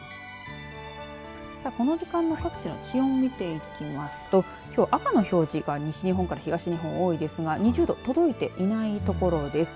この時間の各地の気温見ていきますときょうは赤の表示が西日本から東日本多いですが２０度届いていない所です。